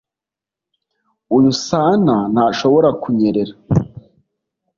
uyu santa ntashobora kunyerera